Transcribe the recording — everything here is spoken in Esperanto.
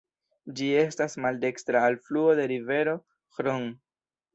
Ĝi estas maldekstra alfluo de rivero Hron.